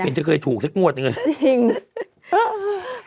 ไม่มีใครอยู่กันตกละก็เหมือนจะเคยถูกสิกหงวดนึง